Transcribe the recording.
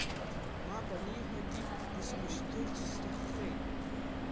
Мап аниҳәагьы, дысмышьҭырц сҭаххеит.